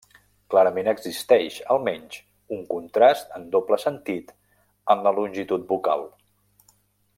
Clarament existeix, almenys, un contrast en doble sentit en la longitud vocal.